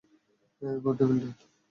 এই, বডিবিল্ডার!